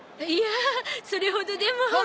いやあそれほどでも。